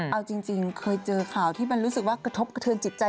เอาจริงเคยเจอข่าวที่มันรู้สึกว่ากระทบกระเทือนจิตใจ